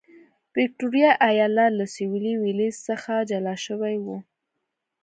ویکټوریا ایالت له سوېلي ویلز څخه جلا شوی و.